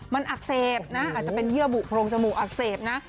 มันอักเสบนะอาจจะเป็นเยื่อบุโรงจมูกอักเสบนะ